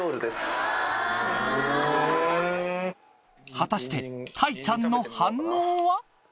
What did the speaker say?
果たしてたいちゃんの反応は？